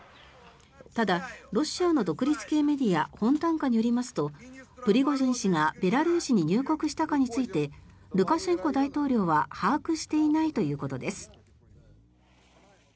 ただ、ロシアの独立系メディアフォンタンカによりますとプリゴジン氏がベラルーシに入国したかについてルカシェンコ大統領は把握していないということです。